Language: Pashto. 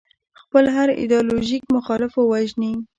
خپل هر ایدیالوژیک مخالف ووژني.